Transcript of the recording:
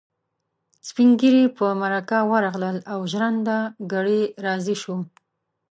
سپين ږيري په مرکه ورغلل او ژرنده ګړی راضي شو.